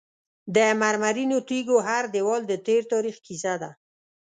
د مرمرینو تیږو هر دیوال د تیر تاریخ کیسه ده.